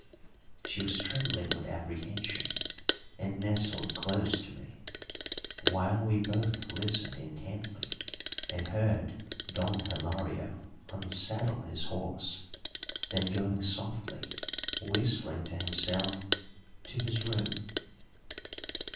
She was trembling with apprehension and nestled close to me; while we both listened intently and heard Don Hilario unsaddle his horse, then going softly, whistling to himself, to his room.